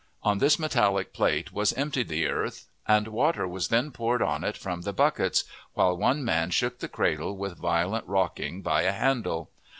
On this metallic plate was emptied the earth, and water was then poured on it from buckets, while one man shook the cradle with violent rocking by a handle.